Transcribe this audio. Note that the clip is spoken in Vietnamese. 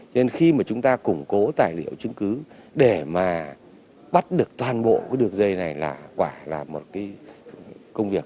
cho nên khi mà chúng ta củng cố tài liệu chứng cứ để mà bắt được toàn bộ cái đường dây này là quả là một cái công việc